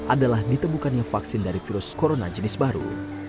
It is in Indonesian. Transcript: adalah ditemukannya vaksin dari virus corona jenis baru